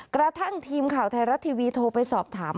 กระทั่งทีมข่าวไทยรัฐทีวีโทรไปสอบถาม